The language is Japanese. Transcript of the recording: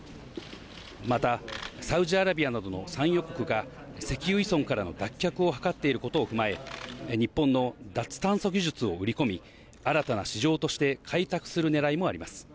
また、サウジアラビアなどの産油国が石油依存からの脱却を図っていることを踏まえ、日本の脱炭素技術を売り込み、新たな市場として開拓する狙いもあります。